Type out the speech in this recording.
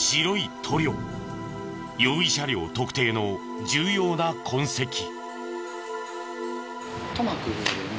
容疑車両特定の重要な痕跡。